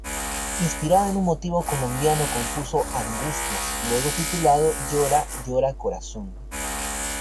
Inspirado en un motivo colombiano compuso "Angustias", luego titulado "Llora, llora corazón".